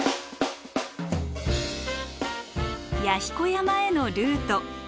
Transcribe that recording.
弥彦山へのルート。